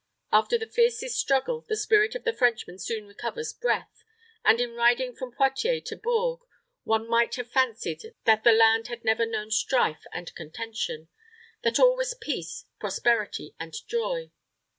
After the fiercest struggle, the spirit of the Frenchman soon recovers breath; and in riding from Poictiers to Bourges, one might have fancied that the land had never known strife and contention that all was peace, prosperity, and joy.